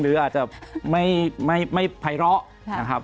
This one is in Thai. หรืออาจจะไม่ไพร้อนะครับ